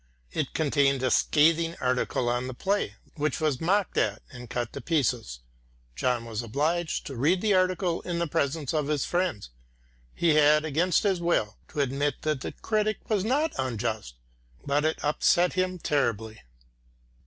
It contained a scathing article on the play, which was mocked at and cut to pieces. John was obliged to read the article in the presence of his friends. He had, against his will, to admit that the critic was not unjust, but it upset him terribly.